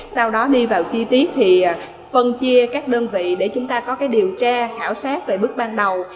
sau đó đi vào chi tiết thì phân chia các đơn vị để chúng ta có điều tra khảo sát về bước ban đầu